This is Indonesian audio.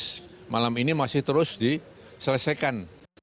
pemerintah pemda ini masih terus diselesaikan